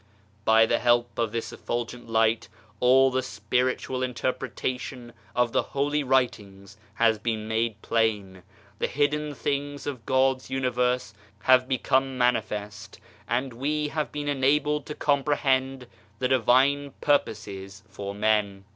By 1 Exodus iii., 2. SPIRITUAL ASPIRATION 63 the help of this effulgent Light all the Spiritual Inter pretation of the Holy Writings has been made plain, the hidden things of God's Universe have become manifest, and we have been enabled to comprehend the Divine purposes for man.